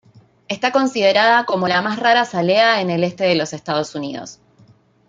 Está considerada como la más rara azalea en el este de los Estados Unidos.